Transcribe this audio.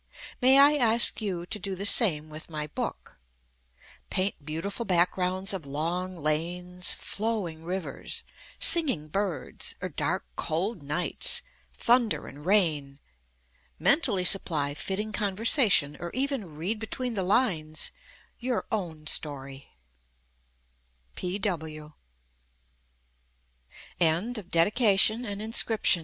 May I ask you to do the same with my book — paint beautiful backgrounds of long lanes* [viii] INSCRIPTION flowing rivers, singing birds, or dark cold nights, thunder and rain, mentally supply fit ting conversation or even read between the lines your own sto